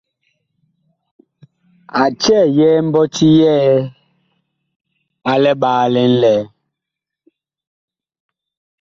A cɛyɛɛ mbɔti yɛɛ a liɓaalí ŋlɛɛ.